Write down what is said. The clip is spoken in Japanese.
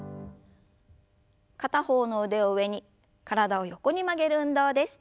片方の腕を上に体を横に曲げる運動です。